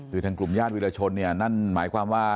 คือทางกลุ่มญาติวิรชนเนี่ยนั่นหมายความว่า